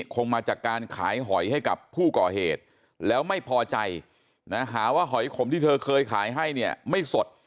คงมาจากการขายหอยให้กับผู้ก่อเหตุแล้วไม่พอใจนะหาว่าหอยขมที่เธอเคยขายให้เนี่ยไม่สด